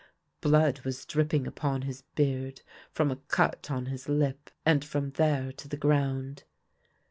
Blood was dripping upon his beard from a cut on his lip, and from there to the ground.